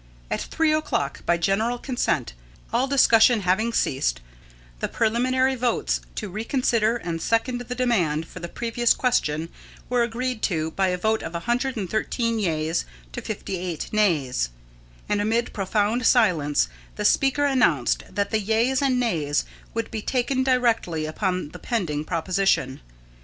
At 3 o'clock, by general consent, all discussion having ceased, the preliminary votes to reconsider and second the demand for the previous question were agreed to by a vote of 113 yeas, to 58 nays; and amid profound silence the Speaker announced that the yeas and nays would be taken directly upon the pending proposition.